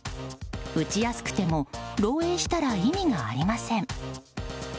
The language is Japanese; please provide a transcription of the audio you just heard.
打ちやすくても漏えいしたら意味がありません。